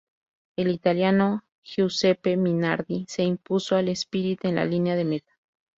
El italiano Giuseppe Minardi se impuso al esprint en la línea de meta.